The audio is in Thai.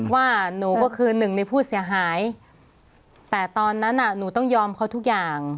ว่าหนูก็คือหนึ่งในผู้เสียหายแต่ตอนนั้นน่ะหนูต้องยอมเขาทุกอย่าง